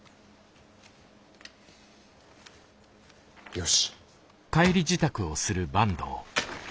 よし。